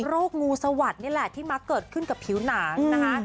งูสวัสดิ์นี่แหละที่มักเกิดขึ้นกับผิวหนังนะคะ